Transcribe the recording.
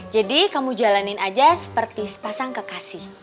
jadi kamu jalanin aja seperti sepasang kekasih